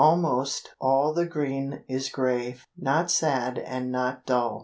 Almost all the green is grave, not sad and not dull.